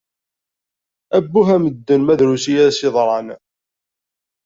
Abbuh a medden, ma drus i as-yeḍran.